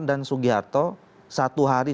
dan sugiharto satu hari